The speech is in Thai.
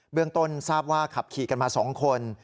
เรื่องต้นทราบว่าขับขี่กันมา๒คน